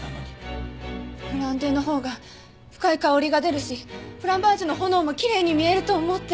ブランデーのほうが深い香りが出るしフランバージュの炎もきれいに見えると思って。